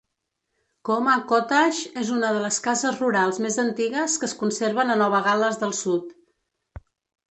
Cooma Cottage és una de les cases rurals més antigues que es conserven a Nova Gal·les del Sud.